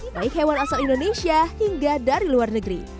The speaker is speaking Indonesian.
baik hewan asal indonesia hingga dari luar negeri